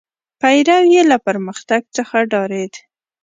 پیرو یې له پرمختګ څخه ډارېد.